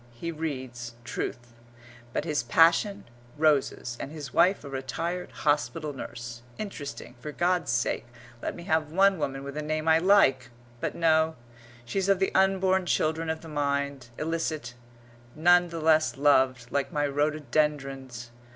He reads Truth. But his passion? Roses and his wife a retired hospital nurse interesting for God's sake let me have one woman with a name I like! But no; she's of the unborn children of the mind, illicit, none the less loved, like my rhododendrons.